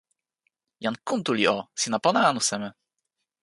jan Kuntuli o! sina pona anu seme?